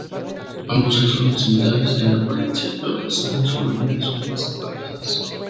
Ambos sexos son similares en apariencia, pero las aves juveniles son más apagadas.